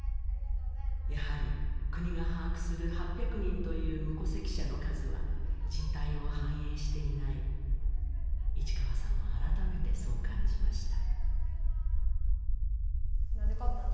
やはり国が把握する８００人という無戸籍者の数は実態を反映していない市川さんは改めてそう感じました何で買ったん？